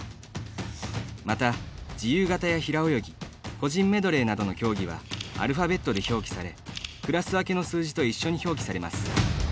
また、自由形や平泳ぎ個人メドレーなどの競技はアルファベットで表記されクラス分けの数字と一緒に表記されます。